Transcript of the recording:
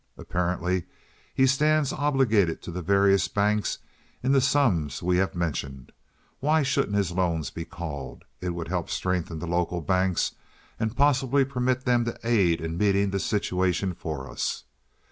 Apparently he stands obligated to the various banks in the sums we have mentioned. Why shouldn't his loans be called? It would help strengthen the local banks, and possibly permit them to aid in meeting this situation for us.